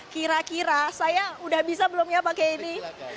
kira kira saya udah bisa belum ya pakai ini